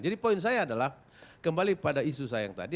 jadi poin saya adalah kembali pada isu saya yang tadi